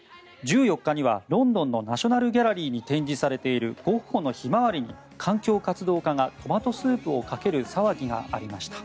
１４日にはロンドンのナショナル・ギャラリーに展示されているゴッホの「ひまわり」に環境活動家がトマトスープをかける騒ぎがありました。